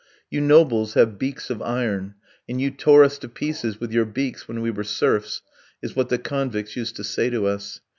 "You nobles have beaks of iron, and you tore us to pieces with your beaks when we were serfs," is what the convicts used to say to us.